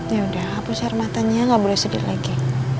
yaudah hapus air matanya gak boleh sedih lagi